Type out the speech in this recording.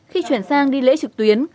khi chuyển sang đi lễ trực tuyến